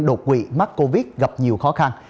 đột quỵ mắc covid gặp nhiều khó khăn